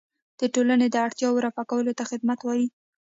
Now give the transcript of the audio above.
د ټولنې د اړتیاوو رفع کولو ته خدمت وایي.